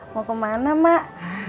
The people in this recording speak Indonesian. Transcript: mau ke mana emang